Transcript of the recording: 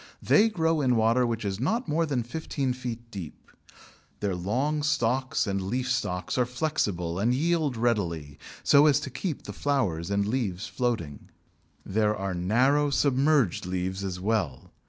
They grow in water which is not more than fifteen feet deep. Their long stalks and leaf stalks are flexible and yield readily, so as to keep the flowers and leaves floating. There are narrow submerged leaves as well.